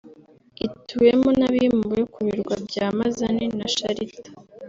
ituwemo n’abimuwe ku birwa bya Mazane na Sharita